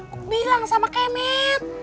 ku bilang sama kemet